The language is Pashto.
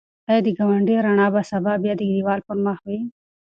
ایا د ګاونډي رڼا به سبا بیا د دېوال پر مخ وي؟